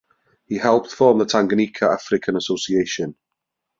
He helped form the Tanganyika African Association.